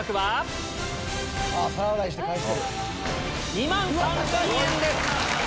２万３０００円です！